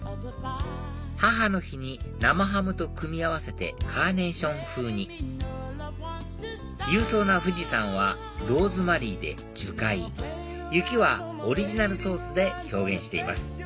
母の日に生ハムと組み合わせてカーネーション風に勇壮な富士山はローズマリーで樹海雪はオリジナルソースで表現しています